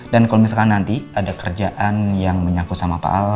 dan kalau misalkan nanti ada kerjaan yang menyakut sama pak al